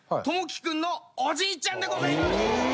朋樹君のおじいちゃんでございます。